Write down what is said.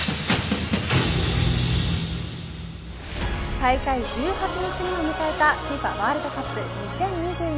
大会１８日目を迎えたＦＩＦＡワールドカップ２０２２。